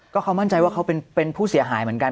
ก็เขามั่นใจว่าเขาเป็นผู้เสียหายเหมือนกัน